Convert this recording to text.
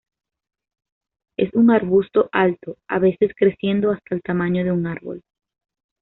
Es un arbusto alto, a veces creciendo hasta el tamaño de un árbol.